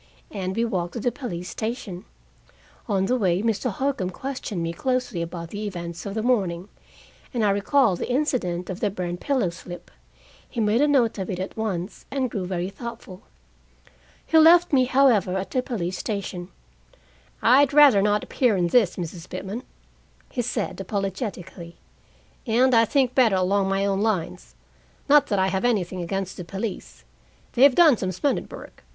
And we walked to the police station. On the way Mr. Holcombe questioned me closely about the events of the morning, and I recalled the incident of the burned pillow slip. He made a note of it at once, and grew very thoughtful. He left me, however, at the police station. "I'd rather not appear in this, Mrs. Pitman," he said apologetically, "and I think better along my own lines. Not that I have anything against the police; they've done some splendid work.